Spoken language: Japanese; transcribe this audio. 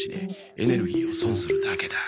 エネルギーを損するだけだ。